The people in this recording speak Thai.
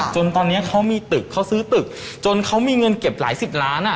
จนตอนนี้เขามีตึกเขาซื้อตึกจนเขามีเงินเก็บหลายสิบล้านอ่ะ